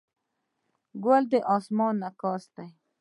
ګل د اسمان انعکاس دی.